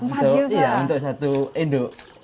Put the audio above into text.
iya untuk satu induk